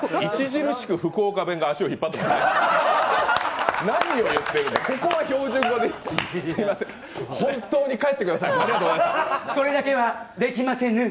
著しく福岡弁が足を引っ張ってますね。